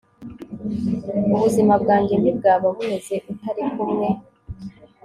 Ubuzima bwanjye ntibwaba bumeze utari kumwe